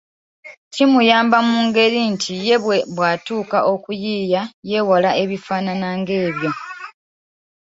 Kimuyamba mu ngeri nti ye bw’atuuka okuyiiya yeewala ebifaanana ng'ebyo.